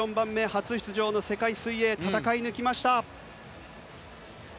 初出場の世界水泳戦い抜きました。